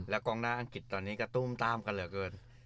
กองหน้าอังกฤษตอนนี้กระตุ้มตามกันเหลือเกิน